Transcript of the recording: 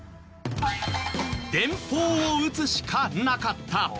電報を打つしかなかった。